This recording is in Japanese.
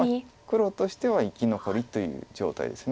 黒としては生き残りという状態です